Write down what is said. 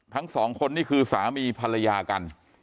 ทั้งสองคนนี่คือสามีภรรยากัน